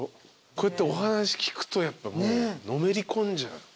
こうやってお話聞くとやっぱのめり込んじゃう。